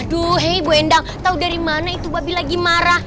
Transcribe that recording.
aduuuh hei bu endang tau dari mana itu babi lagi marah